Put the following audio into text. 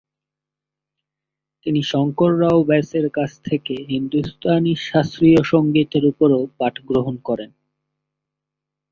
তিনি শঙ্কর রাও ব্যাসের কাছ থেকে হিন্দুস্তানি শাস্ত্রীয় সংগীতের উপরও পাঠ গ্রহণ করেন।